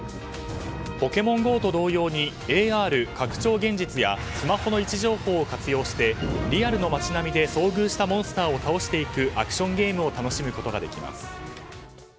「ポケモンＧＯ」と同様にＡＲ・拡張現実やスマホの位置情報を活用してリアルの街並みで遭遇したモンスターを倒していくアクションゲームを楽しむことができます。